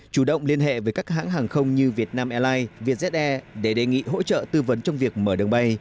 chủ động liên hệ với các hãng hàng không như vietnam airlines vietjet air để đề nghị hỗ trợ tư vấn trong việc mở đường bay